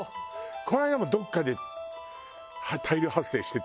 この間もどこかで大量発生してたよね。